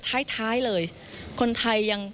ท้ายเลยคนไทยยัง